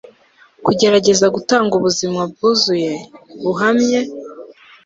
kugerageza gutanga ubuzima bwuzuye, buhamye